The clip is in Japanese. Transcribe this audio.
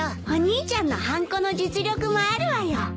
お兄ちゃんのはんこの実力もあるわよ。